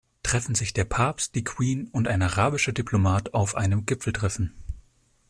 Treffen sich der Papst, die Queen und ein arabischer Diplomat auf einem Gipfeltreffen.